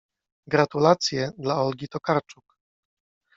Gratulacje dla Olgi Tokarczuk.